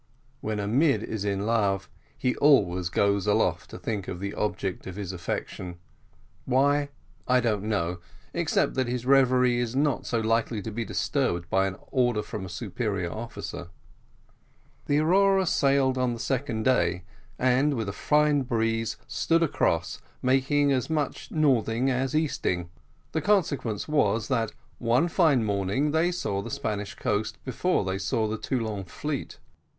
When a mid is in love, he always goes aloft to think of the object of his affection; why, I don't know, except that his reverie is not so likely to be disturbed by an order from a superior officer. The Aurora sailed on the second day, and with a fine breeze, stood across, making as much northing as easting; the consequence was, that one fine morning they saw the Spanish coast before they saw the Toulon fleet.